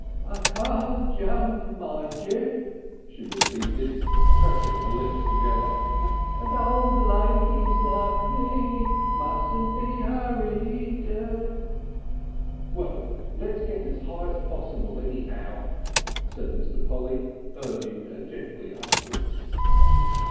"I can't jump, mind ye," she repeated, pressing her lips together. "And old ladies like me mustn't be hurried." "Well, let's get as high as possible anyhow!" said Mr. Polly, urging her gently upward.